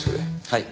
はい。